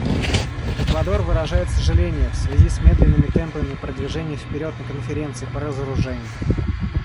Эквадор выражает сожаление в связи с медленными темпами продвижения вперед на Конференции по разоружению.